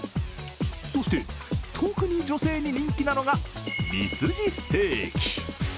そして特に女性に人気なのがミスジステーキ。